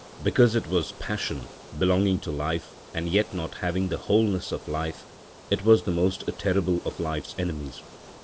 Because it was passion—belonging to life, and yet not having the wholeness of life—it was the most terrible of life's enemies.